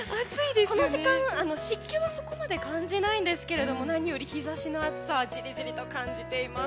この時間、湿気はそこまで感じないんですが何より日差しの暑さをじりじりと感じています。